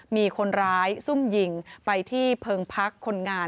มีคนร้ายซุ่มยิงไปที่เพิงพักคนงาน